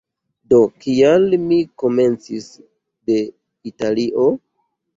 Do kial mi komencis de Italio?